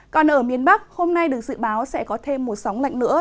còn ở miền bắc hôm nay được dự báo sẽ có thêm một sóng lạnh nữa